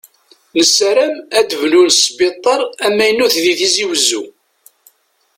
Nessaram ad bnun sbitaṛ amaynut di tizi wezzu.